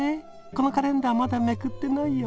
このカレンダーまだめくってないよ。